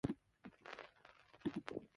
楽器ほしい